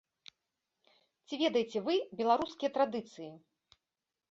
Ці ведаеце вы беларускія традыцыі?